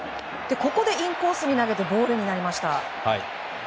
ここでインコースに投げてボールになりました。